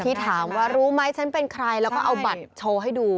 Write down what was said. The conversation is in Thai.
ที่ถามว่ารู้ไหมฉันเป็นใครแล้วก็เอาบัตรโชว์ให้ดู